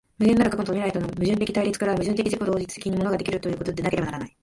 無限なる過去と未来との矛盾的対立から、矛盾的自己同一的に物が出来るということでなければならない。